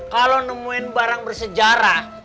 kalau nemuin barang bersejarah